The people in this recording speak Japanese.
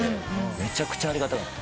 めちゃくちゃありがたかった。